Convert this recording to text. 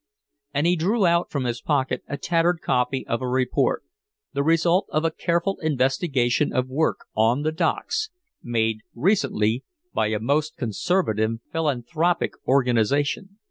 And he drew out from his pocket a tattered copy of a report, the result of a careful investigation of work on the docks, made recently by a most conservative philanthropic organization.